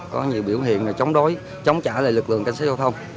có nhiều biểu hiện chống đối chống trả lại lực lượng canh sách giao thông